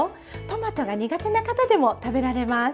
トマトが苦手な方でも食べられます。